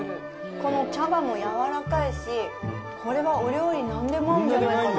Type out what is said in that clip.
この茶葉もやわらかいし、これはお料理、何でも合うんじゃないかな。